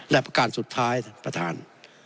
แล้วประกาศสุดท้ายท่าน